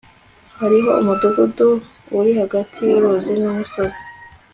hariho umudugudu uri hagati yuruzi numusozi